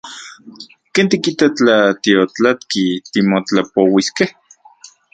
¿Ken tikita tla tiotlatki timotlapouiskej?